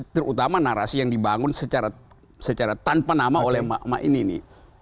terutama narasi yang dibangun secara tanpa nama oleh emak emak ini nih